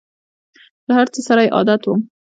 له هر څه سره یې عادت وم !